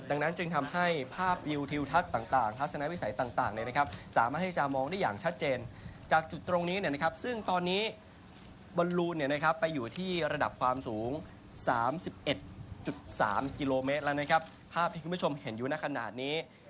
ดังนั้นจึงทำให้ภาพวิวทิวทักต่างต่างธาตุสนับวิสัยต่างต่างนะครับ